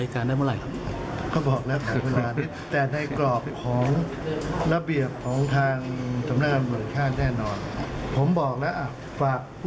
ที่บอกว่าเห็นอ๋อให้ออกมาเป็นพยาน